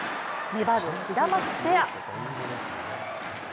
粘るシダマツペア。